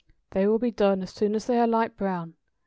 They will be done as soon as they are light brown.